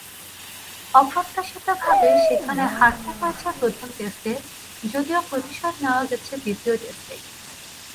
অপ্রত্যাশিতভাবে সেখানে হারতে হয়েছে প্রথম টেস্টে, যদিও প্রতিশোধ নেওয়া গেছে দ্বিতীয় টেস্টেই।